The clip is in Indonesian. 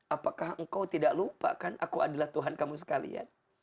apakah engkau tidak lupakan aku adalah tuhan kamu sekalian